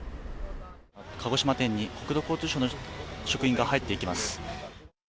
鹿児島店に国土交通省の職員が入っていきます。